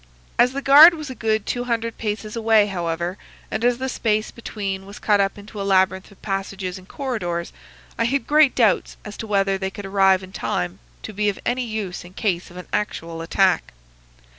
As the guard was a good two hundred paces away, however, and as the space between was cut up into a labyrinth of passages and corridors, I had great doubts as to whether they could arrive in time to be of any use in case of an actual attack.